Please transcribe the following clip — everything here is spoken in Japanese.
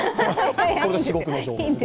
これが至極の情報。